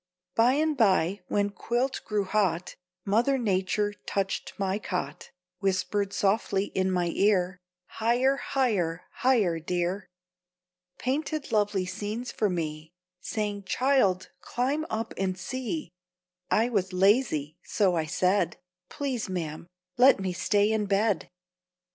By and by, when quilt grew hot, Mother Nature touched my cot, Whispered softly in my ear, "Higher, higher, higher, dear." Painted lovely scenes for me, Saying, "Child, climb up and see." I was lazy, so I said, "Please, ma'am, let me stay in bed."